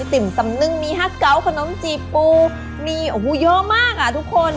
ติ่มสำนึกมีฮักเกาขนมจีบปูมีโอ้โหเยอะมากอ่ะทุกคน